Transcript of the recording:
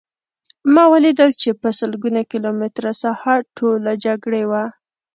ما ولیدل چې په سلګونه کیلومتره ساحه ټوله جګړې وه